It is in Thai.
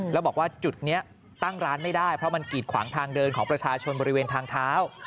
แล้วบอกว่าจุดนี้ตั้งร้านไม่ได้เพราะมันกีดขวางทางเดินของประชาชนบริเวณทางเท้า